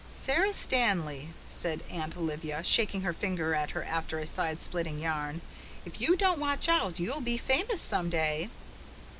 "Sara Stanley," said Aunt Olivia, shaking her finger at her after a side splitting yarn, "if you don't watch out you'll be famous some day."